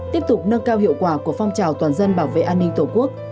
tiếp tục nâng cao hiệu quả của phong trào toàn dân bảo vệ an ninh tổ quốc